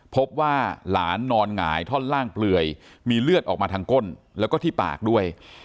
พบว่าหลานนอนหงายท่อนล่างเปลือยมีเลือดออกมาทางก้นแล้วก็ที่ปากด้วย